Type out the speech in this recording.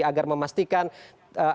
tidak hanya peserta dan masyarakat itu sendiri